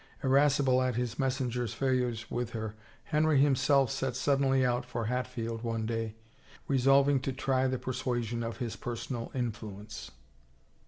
Irascible at his messenger's fail ures with her Henry himself set suddenly out for Hat field one day, resolving to try the persuasion of his per sonal influence.